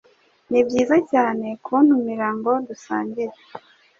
Nibyiza cyane kuntumira ngo dusangire.